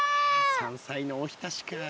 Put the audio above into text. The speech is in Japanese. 山菜のおひたしか。